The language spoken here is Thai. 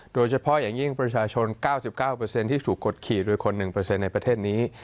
โดยเฉพาะอย่างยิ่งประชาชน๙๙ที่ถูกกดขี่โดยคน๑ในประเทศนี้